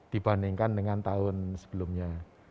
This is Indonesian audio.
dibandingkan dengan tahun sebelumnya